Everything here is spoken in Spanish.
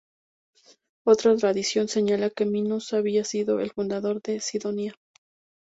Otra tradición señala que Minos había sido el fundador de Cidonia.